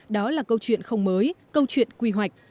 đó là câu chuyện không mới câu chuyện quy hoạch